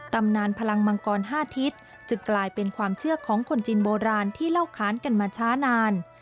ตำนานพลังมังกร๕ทิศจึงกลายเป็นความเชื่อของคนจีนโบราณที่เล่าค้านกันมาช้านาน